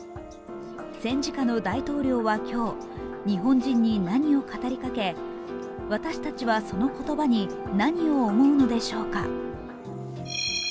戦時下の大統領は今日日本人に何を語りかけ私たちはその言葉に何を思うのでしょうか。